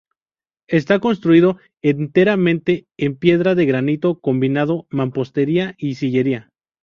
Está construido enteramente en piedra de granito, combinando mampostería y sillería.